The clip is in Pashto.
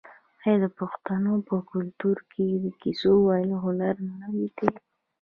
آیا د پښتنو په کلتور کې د کیسو ویل هنر نه دی؟